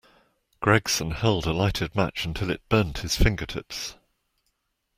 Gregson held a lighted match until it burnt his fingertips.